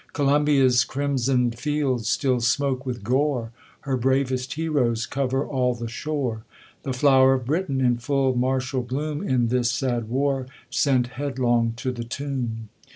Columbia's crimson'd fields still smoke with gore ;' Her bravest heroes cover all the shore : *The flower of Britain, in full martial bloom, In this sad war, sent headlong to the tomb.